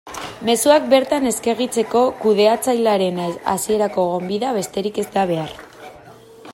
Mezuak bertan eskegitzeko kudeatzailearen hasierako gonbita besterik ez da behar.